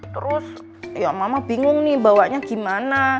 terus ya mama bingung nih bawanya gimana